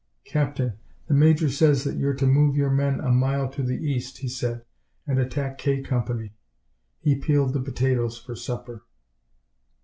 "Captain, the major says that you're to move your men a mile to the east," he said, "and attack K Company." He peeled the potatoes for supper.